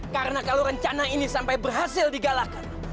karena kalau rencana ini sampai berhasil digalakkan